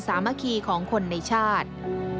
สามัคคีของคนในชาติ